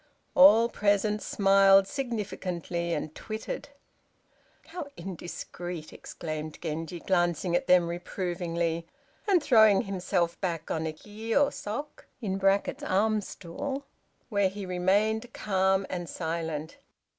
All present smiled significantly, and tittered. "How indiscreet!" exclaimed Genji, glancing at them reprovingly, and throwing himself back on a kiô sok (arm stool), where he remained calm and silent.